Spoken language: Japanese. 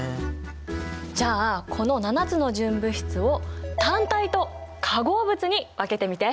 じゃあこの７つの純物質を単体と化合物に分けてみて。